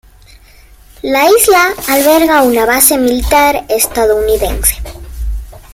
La isla alberga una base militar estadounidense.